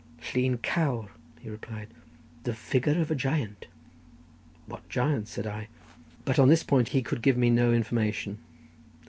"Llun Cawr," he replied. "The figure of a giant." "What giant?" said I. But on this point he could give me no information.